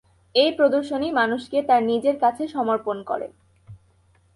এই প্রদর্শনী 'মানুষকে তার নিজের কাছে সমর্পণ করে'।